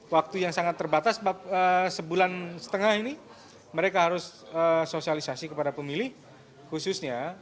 waktu yang sangat terbatas sebulan setengah ini mereka harus sosialisasi kepada pemilih khususnya